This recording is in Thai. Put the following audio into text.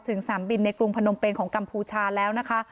สนามบินในกรุงพนมเป็นของกัมพูชาแล้วนะคะ